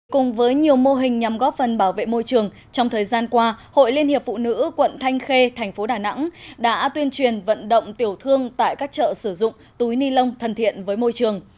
cùng với nhiều mô hình nhằm góp phần bảo vệ môi trường trong thời gian qua hội liên hiệp phụ nữ quận thanh khê thành phố đà nẵng đã tuyên truyền vận động tiểu thương tại các chợ sử dụng túi ni lông thân thiện với môi trường